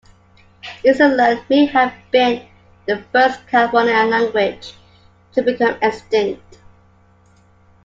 Esselen may have been the first California language to become extinct.